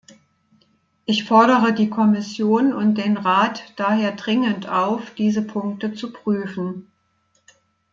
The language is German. Ich fordere die Kommission und den Rat daher dringend auf, diese Punkte zu prüfen.